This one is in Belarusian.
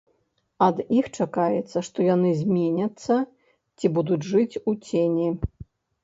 Ад іх чакаецца, што яны зменяцца ці будуць жыць у цені.